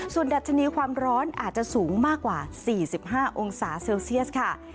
ส่วนดัชนีความร้อนอาจจะสูงมากกว่า๔๕องศาเซลเซียสค่ะ